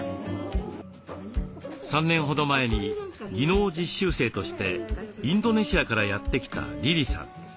３年ほど前に技能実習生としてインドネシアからやって来たリリさん。